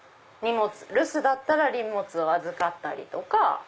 留守だったら荷物預かったりとか。